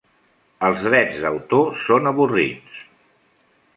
Els drets d'autor són avorrits.